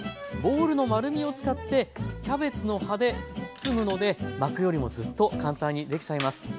ボウルの丸みを使ってキャベツの葉で包むので巻くよりもずっと簡単にできちゃいます。